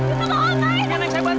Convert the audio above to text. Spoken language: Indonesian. terima kasih mas